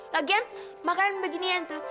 lagian makanan beginian tuh